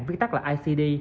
viết tắt là icd